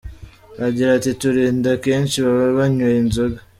Agira ati “Turinda akenshi baba banyweye inzoga.